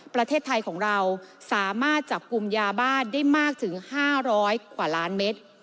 ประเทศไทยของเราสามารถจับกลุ่มยาบ้าได้มากถึง๕๐๐กว่าล้านเมตร